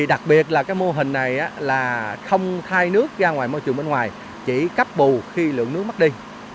đặc biệt là mô hình này là không khai nước ra ngoài môi trường bên ngoài chỉ cấp bù khi lượng nước mất đi